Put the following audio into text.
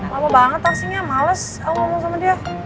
lama banget taksinya males aku ngomong sama dia